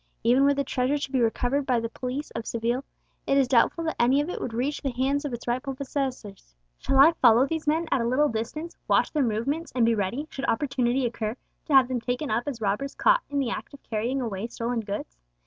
Even were the treasure to be recovered by the police of Seville, it is doubtful that any of it would reach the hands of its rightful possessors. Shall I follow these men at a little distance, watch their movements, and be ready, should opportunity occur, to have them taken up as robbers caught in the act of carrying away stolen goods?